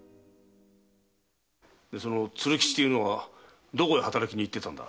その鶴吉というのはどこへ働きに行ってたんだ？